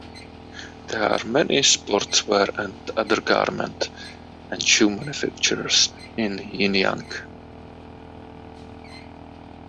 There are many sportswear and other garment and shoe manufacturers in Jinjiang.